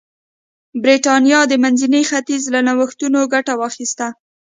برېټانیا د منځني ختیځ له نوښتونو ګټه واخیسته.